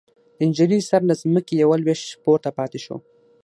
د نجلۍ سر له ځمکې يوه لوېشت پورته پاتې شو.